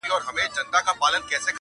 په دربار کي یې څو غټ سړي ساتلي٫